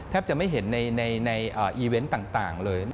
จะไม่เห็นในอีเวนต์ต่างเลย